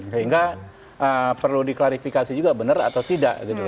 sehingga perlu diklarifikasi juga benar atau tidak gitu